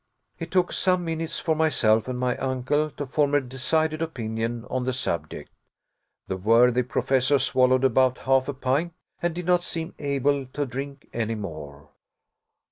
It took some minutes for myself and my uncle to form a decided opinion on the subject. The worthy Professor swallowed about half a pint and did not seem able to drink any more.